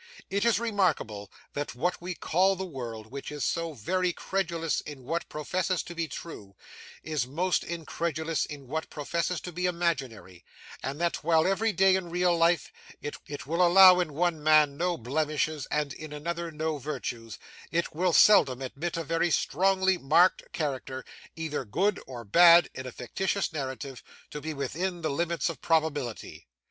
It is remarkable that what we call the world, which is so very credulous in what professes to be true, is most incredulous in what professes to be imaginary; and that, while, every day in real life, it will allow in one man no blemishes, and in another no virtues, it will seldom admit a very strongly marked character, either good or bad, in a fictitious narrative, to be within the limits of probability.